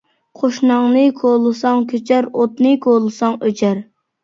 قوشناڭنى كولىساڭ كۆچەر، ئوتنى كولىساڭ ئۆچەر.